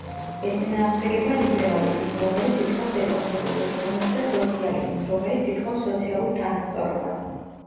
ეწინააღმდეგება ლიბერალიზმს, რომელიც ითხოვს ეკონომიკურ რეფორმებს, და სოციალიზმს, რომელიც ითხოვს სოციალურ თანასწორობას.